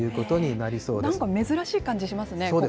なんか珍しい感じしますね、ここまで。